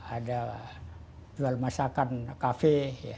ada jual masakan kafe